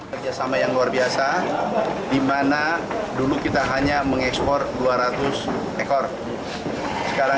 kerjasama yang luar biasa di mana dulu kita hanya mengekspor dua ratus ekor